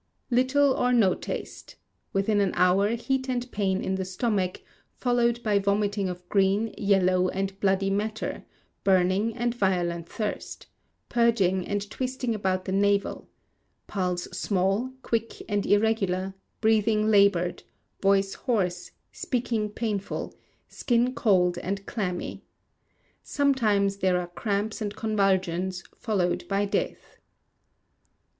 Little or no taste. Within an hour, heat and pain in the stomach, followed by vomiting of green, yellow, and bloody matter, burning, and violent thirst; purging, and twisting about the navel; pulse small, quick, and irregular, breathing laboured, voice hoarse, speaking painful; skin cold and clammy. Sometimes there are cramps and convulsions, followed by death.